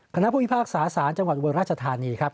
คณะผู้พิพากษาสารจังหวัดอุบลราชธานีครับ